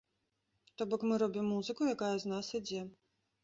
То бок мы робім музыку, якая з нас ідзе.